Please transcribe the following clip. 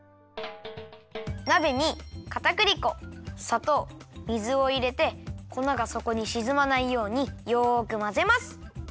なべにかたくり粉さとう水をいれてこながそこにしずまないようによくまぜます。